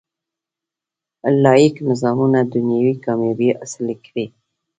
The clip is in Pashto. لاییک نظامونه دنیوي کامیابۍ حاصلې کړي.